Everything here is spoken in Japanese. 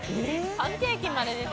パンケーキまで出て。